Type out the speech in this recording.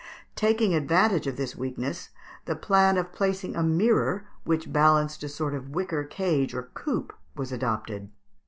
Taking advantage of this weakness, the plan of placing a mirror, which balanced a sort of wicker cage or coop, was adopted.